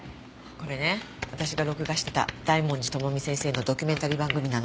これね私が録画してた大文字智美先生のドキュメンタリー番組なの。